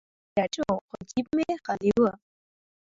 زړه مې ډاډه شو، خو جیب مې خالي و.